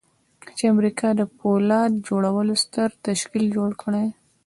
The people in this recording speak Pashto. چې د امريکا د پولاد جوړولو ستر تشکيل جوړ کړي.